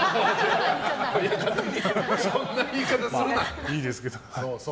親方にそんな言い方するな！